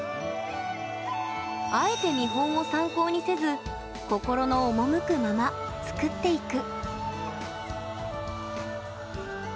あえて見本を参考にせず心のおもむくまま作っていく。